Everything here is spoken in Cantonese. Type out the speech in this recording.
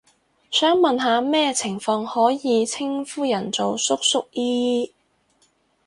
想問下咩情況可以稱呼人做叔叔姨姨？